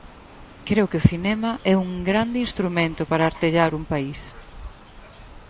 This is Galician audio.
Creo que o cinema é un grande instrumento para artellar un país.